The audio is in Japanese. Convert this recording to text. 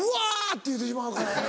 って言うてしまうからやな。